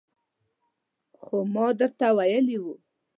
خو ما درته ویلي وو